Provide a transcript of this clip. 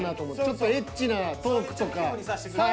ちょっとエッチなトークとか。